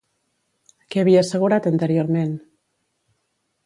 Què havia assegurat anteriorment?